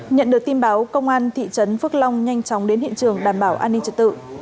nhận được tin báo công an thị trấn phước long nhanh chóng đến hiện trường đảm bảo an ninh trật tự